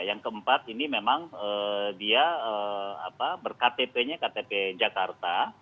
yang keempat ini memang dia berktp jakarta